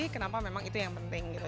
kenapa memang itu yang penting gitu